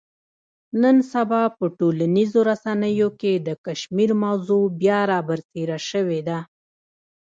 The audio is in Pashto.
نن سبا په ټولنیزو رسنیو کې د کشمیر موضوع بیا را برسېره شوې ده.